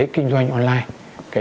kinh doanh qua các mạng xã hội